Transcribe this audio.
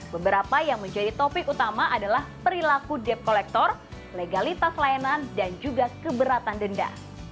beberapa yang menjadi topik utama adalah perilaku dep kolektor legalitas layanan dan juga keberatan denda